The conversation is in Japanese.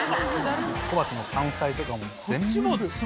小鉢の山菜とかも全部！